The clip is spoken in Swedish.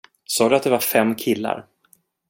Sa du att det var fem killar?